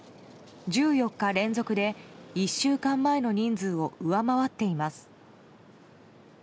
１４日連続で１週間前の人数を上回っています。